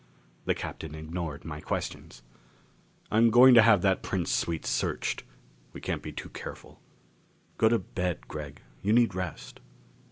The Captain ignored my questions. "I'm going to have that Prince suite searched we can't be too careful.... Go to bed, Gregg, you need rest."